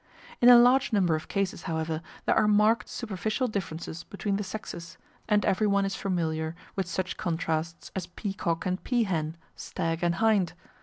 In a large number of cases, however, there are marked superficial differences between the sexes, and everyone is familiar with such contrasts as peacock and peahen, stag and hind.